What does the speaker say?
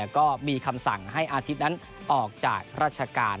ก็มีคำสั่งให้อาทิตย์นั้นออกจากราชการ